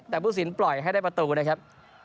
แต่ผู้สินปล่อยให้ได้ประตูนะครับ